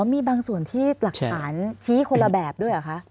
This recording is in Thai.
มีบางส่วนที่หลักฐานชี้คนละแบบด้วยเหรอคะ